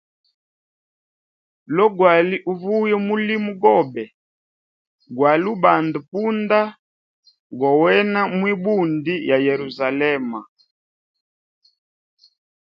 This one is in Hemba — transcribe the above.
Lo gwali uvuya mulimo gobe gwali ubanda punda gowena mwibundi ya Yerusalema.